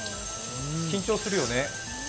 緊張するよね。